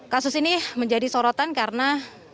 kasus ini menjadi sorotan karena